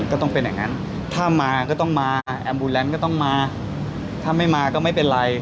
ก็เป็นอย่างนั้นถ้ามาก็ต้องมาแอมบูแลนด์ก็ต้องมาถ้าไม่มาก็ไม่เป็นไร